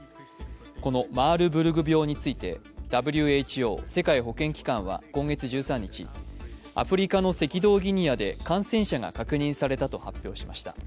このマールブルグ病についてＷＨＯ＝世界保健機関は今月１３日アフリカの赤道ギニアで感染者が確認されたと発表しました。